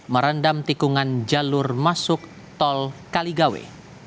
merendam tikungan jalur masuk tol kaligawe